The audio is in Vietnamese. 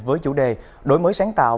với chủ đề đổi mới sáng tạo